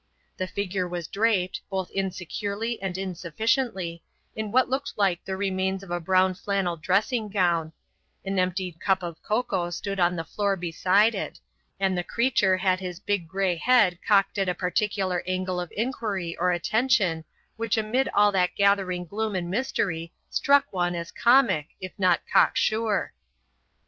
The figure was draped, both insecurely and insufficiently, in what looked like the remains of a brown flannel dressing gown; an emptied cup of cocoa stood on the floor beside it, and the creature had his big grey head cocked at a particular angle of inquiry or attention which amid all that gathering gloom and mystery struck one as comic if not cocksure.